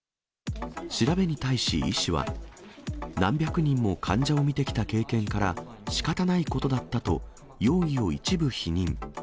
調べに対し、医師は、何百人も患者をみてきた経験から、しかたないことだったと、容疑を一部否認。